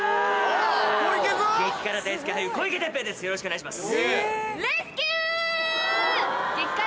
よろしくお願いします。